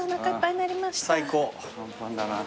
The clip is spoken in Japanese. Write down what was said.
最高。